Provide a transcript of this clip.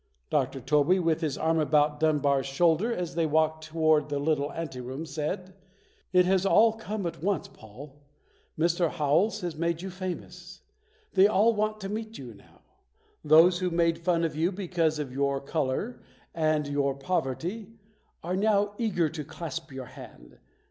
Dr. Tobey, with his arm about Dunbar's shoulder as they walked to wards a little ante room said, "It has all come at once, Paul. Mr. Howells has made you famous. They all want to meet you now. Those who made fun of you because of your color and your poverty are now eager to clasp your hand.